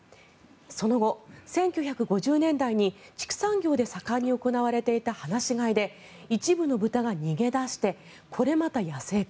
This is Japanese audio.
その後、１９５０年代に畜産業で盛んに行われていた放し飼いで一部の豚が逃げ出してこれまた野生化。